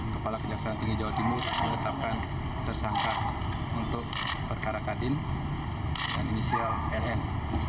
kepala kejaksaan tinggi jawa timur ditetapkan tersangka untuk perkara kadin dan initial ln